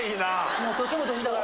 もう年も年だから。